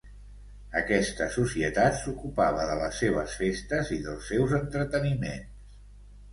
Aquesta societat s'ocupava de les seves festes i dels seus entreteniments.